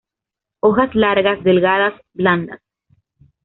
Hojas largas, delgadas, blandas.